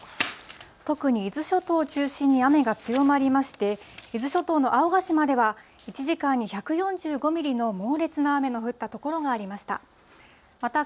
特に伊豆諸島を中心に雨が強まりまして、伊豆諸島の青ヶ島では、１時間に１４５ミリの猛烈な雨の降った所がありました。